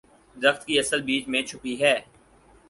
درخت کی اصل بیج میں چھپی ہے۔